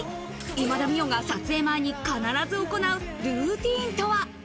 今田美桜が撮影前に必ず行うルーティンとは？